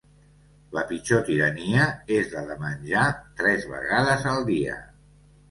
La pitjor tirania és la de menjar tres vegades al dia.